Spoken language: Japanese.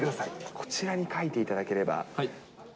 こちらに書いていただければ。